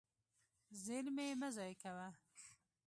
زیرمې مه ضایع کوه.